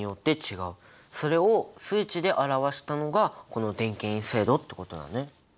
それを数値で表したのがこの電気陰性度ってことだね。